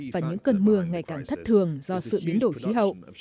và những cơn mưa ngày càng thất thường do sự biến đổi khí hậu